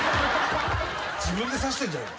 自分で刺してんじゃねえか。